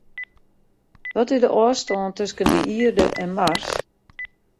Wat is de ôfstân tusken de Ierde en Mars?